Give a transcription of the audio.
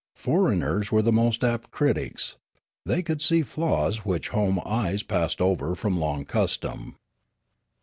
Foreigners were the most apt critics ; they could see flaws, which home eyes passed over from long custom.